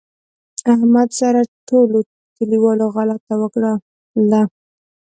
له احمد سره ټولوکلیوالو غلطه وکړله.